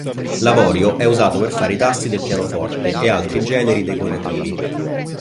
L'avorio è usato per fare i tasti del pianoforte e altri generi decorativi.